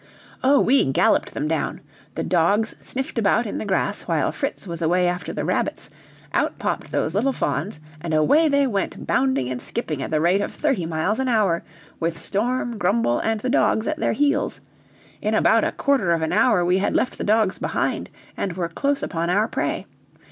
"Oh, we galloped them down. The dogs sniffed about in the grass while Fritz was away after the rabbits, out popped those little fawns, and away they went bounding and skipping at the rate of thirty miles an hour, with Storm, Grumble, and the dogs at their heels. In about a quarter of an hour we had left the dogs behind and were close upon our prey.